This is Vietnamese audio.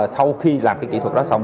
sau khi làm cái kỹ thuật đó xong